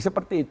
eh seperti itu